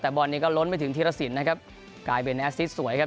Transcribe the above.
แต่บอลเนี่ยก็ล้นไปถึงธีรสินนะครับกลายเป็นแอสซิสสวยครับ